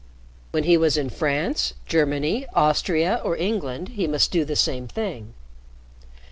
When he was in France, Germany, Austria, or England, he must do the same thing.